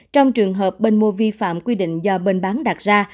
trong trường hợp bên mua vi phạm quy định do bên bán đặt ra